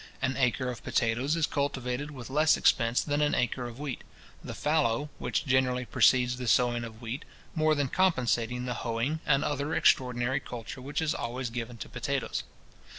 An acre of potatoes is cultivated with less expense than an acre of wheat; the fallow, which generally precedes the sowing of wheat, more than compensating the hoeing and other extraordinary culture which is always given to potatoes.